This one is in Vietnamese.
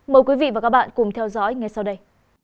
mời quý vị và các bạn cùng theo dõi ngay sau đây